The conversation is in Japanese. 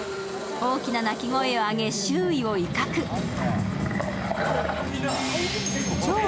大きな鳴き声を上げ、周囲を威嚇。